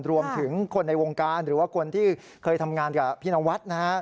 รวมถึงคนในวงการหรือว่าคนที่เคยทำงานกับพี่นวัดนะฮะ